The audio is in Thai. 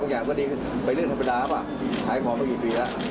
มันขึ้นดีกว่าเมืองนักกิจอย่างเบื่อย